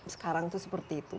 sekarang itu seperti itu